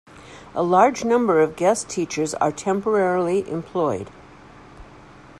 A large number of guest teachers are temporarily employed.